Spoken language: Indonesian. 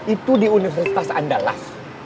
itu di universitas andalas